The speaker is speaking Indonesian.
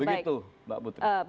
begitu mbak putri